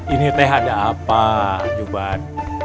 ini teh ada apa juban